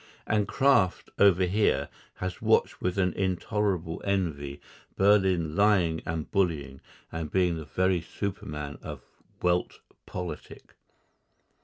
And Kraft over here has watched with an intolerable envy Berlin lying and bullying and being the very Superman of Welt Politik.